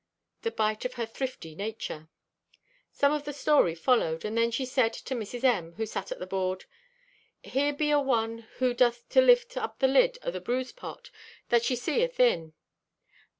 (The bite of her thrifty nature.) Some of the story followed and then she said to Mrs. M., who sat at the board: "Here be aone who doth to lift up the lid o' the brew's pot, that she see athin!